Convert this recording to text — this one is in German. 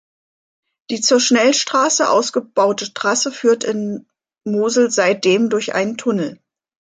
Die zur Schnellstraße ausgebaute Trasse führt in Mosel seitdem durch einen Tunnel.